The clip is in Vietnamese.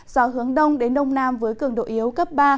gió hướng đông đến đông nam với cường độ yếu cấp ba